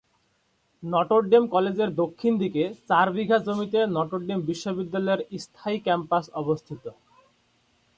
Notre Dame কলেজের দক্ষিণ দিকে চার বিঘা জমিতে নটর ডেম বিশ্ববিদ্যালয়ের স্থায়ী ক্যাম্পাস অবস্থিত।